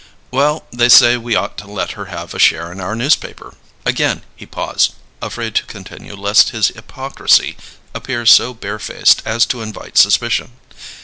"Well, they say we ought to let her have a share in our newspaper." Again he paused, afraid to continue lest his hypocrisy appear so bare faced as to invite suspicion.